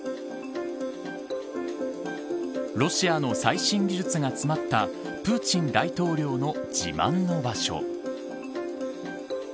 ロシアの最新技術が詰まったプーチン大統領の自慢の場所。